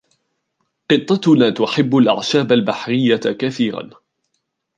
قطتنا تحب الأعشاب البحرية كثيرًا.